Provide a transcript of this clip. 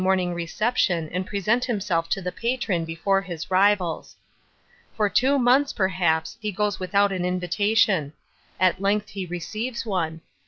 to attend an earlymorning reception and present himself to the patron before his rivals. For two months, perhaps, he goes without an invitation; at length he receives one.